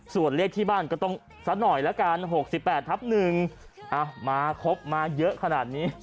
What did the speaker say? ส่วนเลขที่บ้านก็ต้องสักหน่อยละกัน๖๘ทับ๑มาครบมาเยอะขนาดนี้